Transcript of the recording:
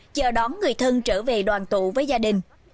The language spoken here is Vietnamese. chờ đón người thân trở về đoàn tụ với gia đình